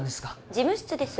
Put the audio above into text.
事務室です